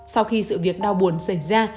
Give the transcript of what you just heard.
sau khi sự việc đau buồn xảy ra